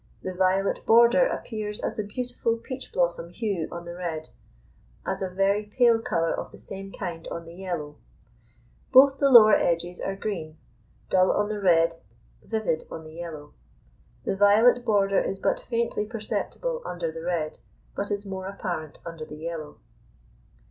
The violet border appears as a beautiful peach blossom hue on the red, as a very pale colour of the same kind on the yellow; both the lower edges are green; dull on the red, vivid on the yellow; the violet border is but faintly perceptible under the red, but is more apparent under the yellow.